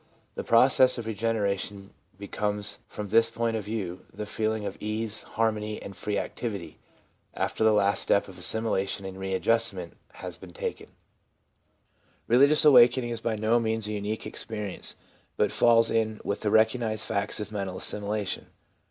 The process of regeneration becomes, from this point of view, the feeling of ease, harmony and free activity, after the last step of assimilation and re adjustment has been taken. Figure 7. — Before Conversion, Figure 8, — Conversion. Religious awakening is by no means a unique ex perience, but falls in with the recognised facts of mental assimilation.